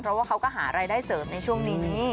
เพราะว่าเขาก็หารายได้เสริมในช่วงนี้